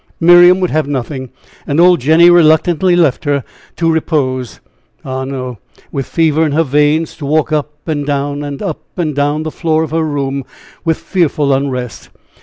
Miriam would have nothing, and old Jenny reluctantly left her to repose? Ah, no! with fever in her veins, to walk up and down and up and down the floor of her room with fearful unrest.